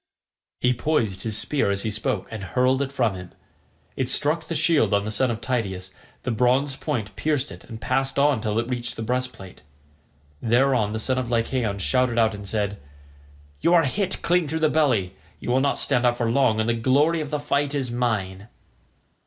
He poised his spear as he spoke and hurled it from him. It struck the shield of the son of Tydeus; the bronze point pierced it and passed on till it reached the breastplate. Thereon the son of Lycaon shouted out and said, "You are hit clean through the belly; you will not stand out for long, and the glory of the fight is mine."